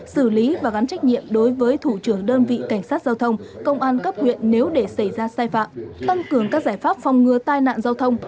xử lý và gắn trách nhiệm đối với thủ trưởng đơn vị cảnh sát giao thông công an cấp huyện nếu để xảy ra sai phạm tăng cường các giải pháp phòng ngừa tai nạn giao thông